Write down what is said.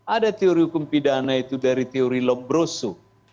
ada teori hukum pidana itu dari teori lobbroso